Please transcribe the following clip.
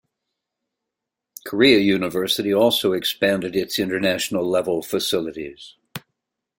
Korea University also expanded its international-level facilities.